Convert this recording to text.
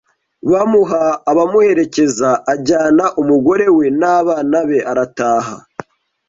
bamuha abamuherekeza ajyana umugore we n abana be arataha